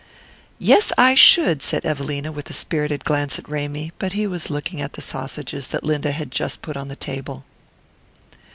"Yes, I SHOULD," said Evelina, with a spirited glance at Ramy; but he was looking at the sausages that Linda had just put on the table.